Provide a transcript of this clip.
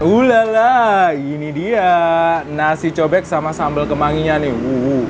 ulala ini dia nasi cobek sama sambal kemanginya nih